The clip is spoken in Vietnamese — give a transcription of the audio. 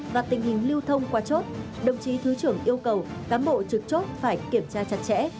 và tình hình lưu thông qua chốt đồng chí thứ trưởng yêu cầu cán bộ trực chốt phải kiểm tra chặt chẽ